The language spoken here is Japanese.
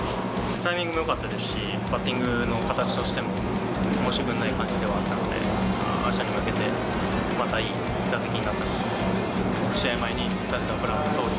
タイミングもよかったですし、バッティングの形としても申し分ない感じではあったので、あしたに向けて、またいい打席になったと思います。